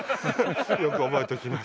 よく覚えておきます。